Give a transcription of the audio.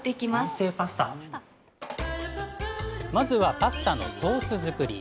まずはパスタのソース作り。